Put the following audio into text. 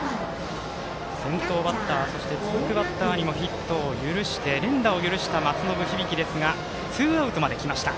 先頭バッターそして続くバッターにもヒットを許して連打を許した松延響ですがツーアウトまできました。